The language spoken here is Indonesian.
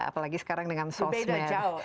apalagi sekarang dengan sosial media